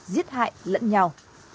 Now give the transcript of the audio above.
giết hại lẫn nhau